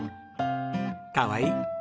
かわいい！